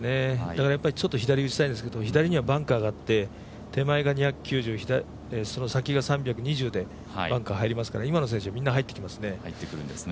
だからちょっと左に打ちたいんですけど左にはバンカーがあって手前が２９０、その先が３２０でバンカー入りますから今の選手、みんな入ってきますね。